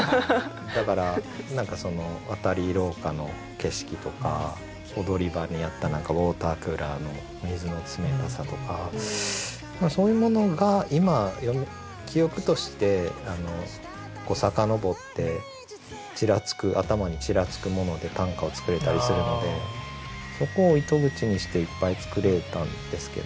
だから何かその渡り廊下の景色とか踊り場にあったウォータークーラーの水の冷たさとかそういうものが今記憶として遡って頭にちらつくもので短歌を作れたりするのでそこを糸口にしていっぱい作れたんですけど。